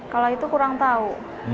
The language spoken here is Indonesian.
kalau itu kurang tahu